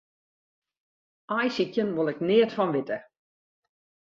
Aaisykjen wol ik neat fan witte.